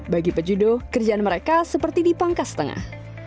bagi pejudo kerjaan mereka seperti di pangkas tengah